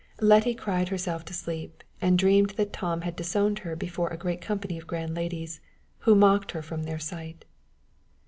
Letty cried herself to sleep, and dreamed that Tom had disowned her before a great company of grand ladies, who mocked her from their sight.